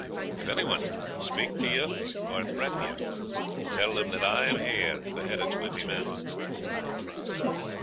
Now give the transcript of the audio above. If any one speak to or threaten you, tell them that I am here, at the head of twenty men."